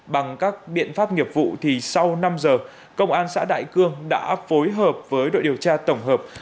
bằng các biện pháp nghiệp vụ thì sau năm giờ công an xã đại cương đã phối hợp với đội điều tra tổng hợp